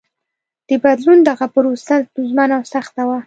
د بدلون دغه پروسه ستونزمنه او سخته وه.